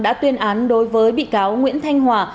đã tuyên án đối với bị cáo nguyễn thanh hòa